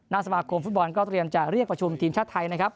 สมาคมฟุตบอลก็เตรียมจะเรียกประชุมทีมชาติไทยนะครับ